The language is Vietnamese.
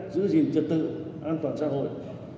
giữ gìn trật tự an toàn xã hội